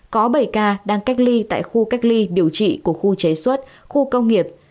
có bảy ca đang cách ly tại khu cách ly điều trị của khu chế xuất khu công nghiệp